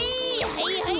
はいはい！